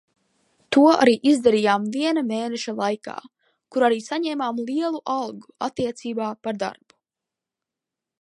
To arī izdarījām viena mēneša laikā, kur arī saņēmām lielu algu attiecībā par darbu.